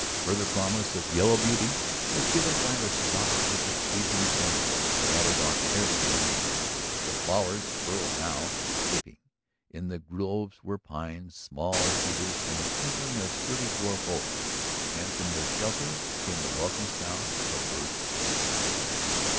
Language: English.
Further promise of yellow beauty was given by the stalks of the evening primrose scattered on every hand, the flowers furled now, sleeping. In the groves were pines, small cedars, and a sprinkling of sturdy dwarf oaks. And from their shelter came the welcome sound of a bird's twitter.